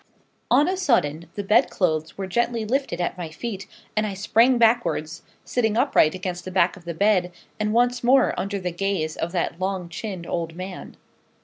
On a sudden the bed clothes were gently lifted at my feet, and I sprang backwards, sitting upright against the back of the bed, and once more under the gaze of that long chinned old man.